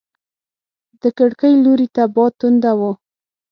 د کړکۍ لوري ته باد تونده و.